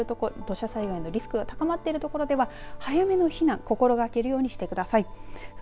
土砂災害のリスクが高まっている所では早めの避難を心がけるようにしてください。